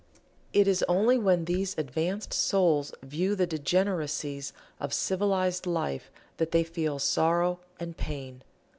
It is only when these advanced souls view the degeneracies of "civilized" life that they feel sorrow and pain.